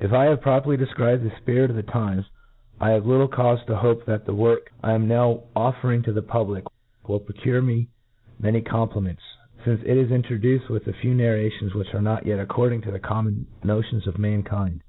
If I have properly defcribed the fpirit of the times, I have little caufc to hope that the work I am ^ PREFACE. I am now offering to the public will procure me many compliments, fince it is introduced with ^ few narrations which are not yet according to the common notions of mankind.